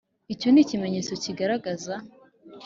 Icyo ni ikimenyetso kiyigaragaza.